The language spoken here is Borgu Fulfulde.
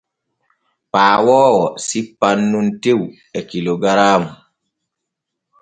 Paawoowo sippan nun tew e kilogaraamu.